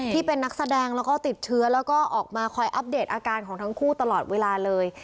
ที่เป็นนักแสดงแล้วก็ติดเชื้อแล้วก็ออกมาคอยอัปเดตอาการของทั้งคู่ตลอดเวลาเลย